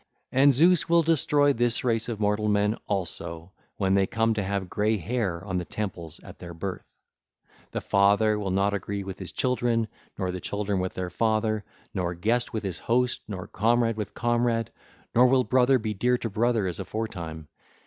And Zeus will destroy this race of mortal men also when they come to have grey hair on the temples at their birth 1306. The father will not agree with his children, nor the children with their father, nor guest with his host, nor comrade with comrade; nor will brother be dear to brother as aforetime.